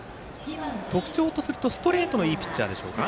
特徴とするとストレートのいいピッチャーでしょうか？